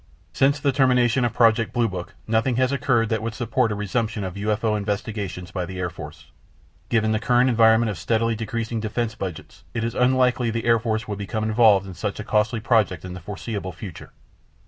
Since the termination of Project Blue Book, nothing has occurred that would support a resumption of UFO investigations by the Air Force. Given the current environment of steadily decreasing defense budgets, it is unlikely the Air Force would become involved in such a costly project in the foreseeable future.